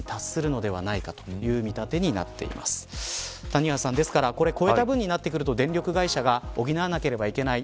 谷原さん、ですから超えた分になってくると電力会社が補わなければいけない。